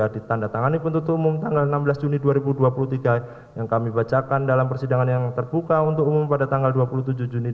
ditanda tangani penuntut umum tanggal enam belas juni dua ribu dua puluh tiga yang kami bacakan dalam persidangan yang terbuka untuk umum pada tanggal dua puluh tujuh juni dua ribu